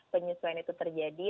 penyesuaian itu terjadi